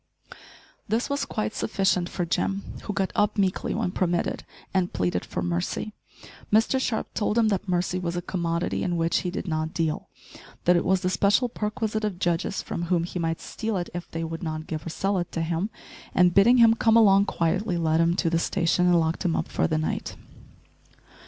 This was quite sufficient for Jim, who got up meekly when permitted, and pleaded for mercy. Mr Sharp told him that mercy was a commodity in which he did not deal, that it was the special perquisite of judges, from whom he might steal it if they would not give or sell it to him, and, bidding him come along quietly, led him to the station, and locked him up for the night.